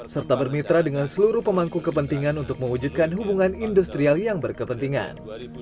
serta bermitra dengan seluruh pemangku kepentingan untuk mewujudkan hubungan industrial yang berkepentingan